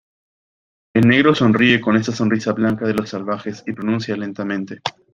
el negro sonríe con esa sonrisa blanca de los salvajes, y pronuncia lentamente